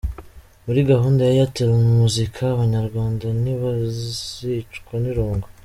Muri gahunda ya 'Airtel Muzika' abanyarwanda ntibazicwa n'irungu.